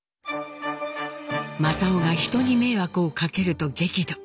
正雄が人に迷惑をかけると激怒。